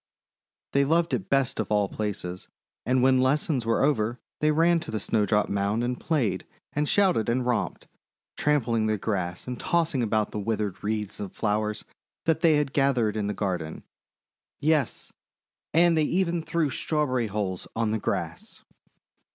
They loved it best of all places, and when lessons were over they ran to the Snowdrop Mound and played and shouted and romped, trampling the grass and tossing about withered wreaths of flowers that they had gathered in the garden, — yes, and they even threw Strawberry hulls on the grass.